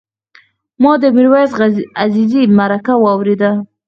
ما د میرویس عزیزي مرکه واورېده.